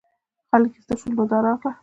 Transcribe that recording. خلک ایسته شول نو دا راغله.